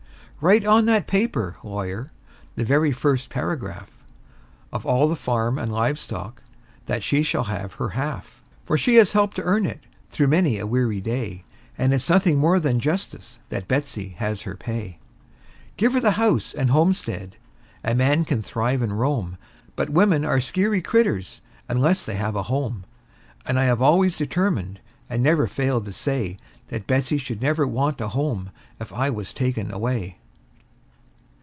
Write on the paper, lawyer the very first paragraph Of all the farm and live stock that she shall have her half; For she has helped to earn it, through many a weary day, And it's nothing more than justice that Betsey has her pay. Give her the house and homestead a man can thrive and roam; But women are skeery critters, unless they have a home; And I have always determined, and never failed to say, That Betsey never should want a home if I was taken away.